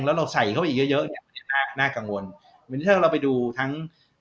แล้วเราใส่เข้าไปอีกเยอะเยอะเนี้ยน่ากังวลเหมือนถ้าเราไปดูทั้ง